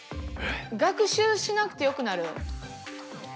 学習しなくてよくなる。